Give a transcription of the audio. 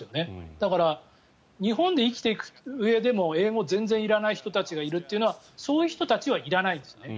だから日本で生きていくうえでも英語全然いらない人たちがいるというのはそういう人たちはいらないんですね。